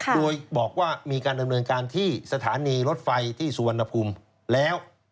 โดยบอกว่ามีการดำเนินการที่สถานีรถไฟที่สุวรรณภูมิแล้ว